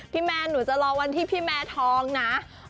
พี่แม้หนูรอวันที่พี่แม้ทองนะ